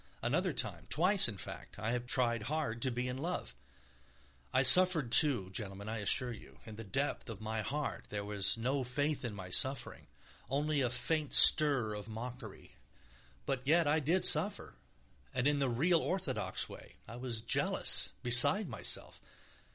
Another time, twice, in fact, I tried hard to be in love. I suffered, too, gentlemen, I assure you. In the depth of my heart there was no faith in my suffering, only a faint stir of mockery, but yet I did suffer, and in the real, orthodox way; I was jealous, beside myself